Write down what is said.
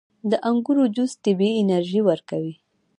• د انګورو جوس طبیعي انرژي ورکوي.